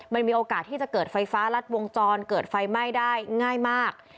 มันมีโอกาสที่จะเกิดไฟฟ้ารัดวงจรเกิดไฟไหม้ได้ง่ายมาก